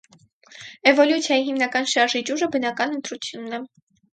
Էվոլյուցիայի հիմնական շարժիչ ուժը բնական ընտրությունն է։